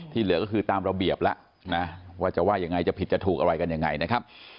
เหลือก็คือตามระเบียบแล้วนะว่าจะว่ายังไงจะผิดจะถูกอะไรกันยังไงนะครับ